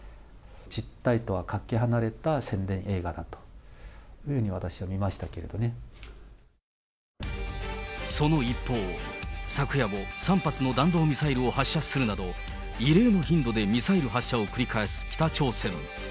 実態とはかけ離れた宣伝映画だというふうに私は見ましたけれどもその一方、昨夜も３発の弾道ミサイルを発射するなど、異例の頻度でミサイル発射を繰り返す北朝鮮。